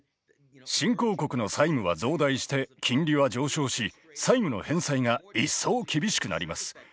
新興国の債務は増大して金利は上昇し債務の返済が一層厳しくなります。